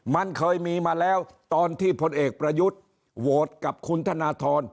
มันเคยมีมาแล้วตอนที่พลเอกประยุทธ์โหวตกับคุณธนทร